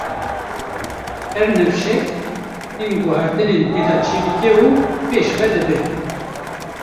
Her nifşek, hin guhertinan tê de çêdike û bi pêş ve dibe.